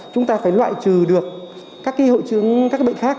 chúng ta phải loại trừ được các hội trứng các bệnh khác